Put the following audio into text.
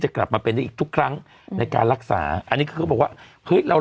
จะกลับมาเป็นอีกทุกครั้งในการรักษาอันนี้ก็บอกว่าเรา